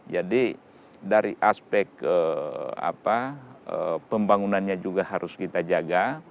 jadi dari aspek pembangunannya juga harus kita jaga